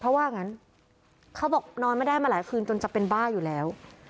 เพราะว่างั้นเขาบอกนอนไม่ได้มาหลายคืนจนจะเป็นบ้าอยู่แล้ว